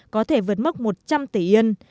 có thể vượt mất một trăm linh tỷ yên